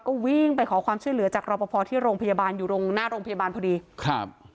ก็วิ่งไปขอความช่วยเหลือจากรอปภที่โรงพยาบาลอยู่ตรงหน้าโรงพยาบาลพอดีครับ